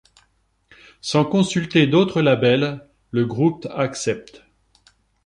Sans consulter d'autre label, le groupe accepte.